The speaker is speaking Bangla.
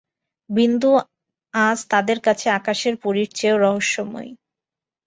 বিন্দু আজ তাদের কাছে আকাশের পরীর চেয়েও রহস্যময়ী।